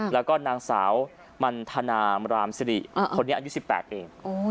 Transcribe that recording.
แล้วก็นางสาวมันทนามรามสิริอ่าคนนี้อายุสิบแปดเองโอ้ย